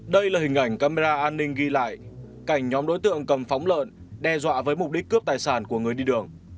đây là hình ảnh camera an ninh ghi lại cảnh nhóm đối tượng cầm phóng lợn đe dọa với mục đích cướp tài sản của người đi đường